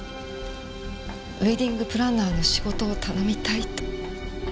ウエディングプランナーの仕事を頼みたいと。